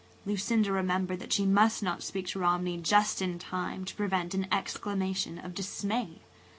Lucinda remembered that she must not speak to Romney just in time to prevent an exclamation of dismay.